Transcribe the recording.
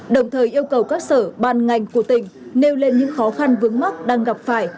đồng thời yêu cầu các sở ban ngành của tỉnh nêu lên những khó khăn vướng mắt đang gặp phải